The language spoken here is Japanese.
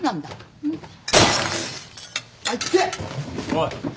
おい。